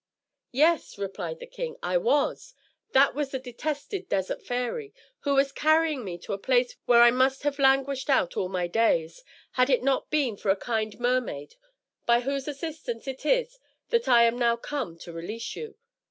"Yes," replied the king, "I was. That was the detested Desert Fairy, who was carrying me to a place where I must have languished out all my days, had it not been for a kind mermaid, by whose assistance it is that I am now come to release you."